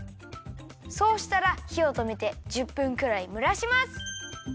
そうしたらひをとめて１０分くらいむらします。